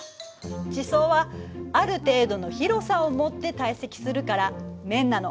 地層はある程度の広さをもって堆積するから面なの。